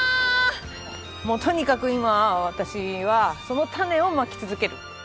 もうとにかく今は私はその種をまき続ける。